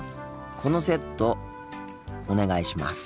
このセットお願いします。